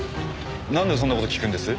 なんでそんな事聞くんです？